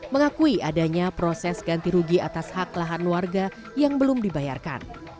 mengakui adanya proses ganti rugi atas hak lahan warga yang belum dibayarkan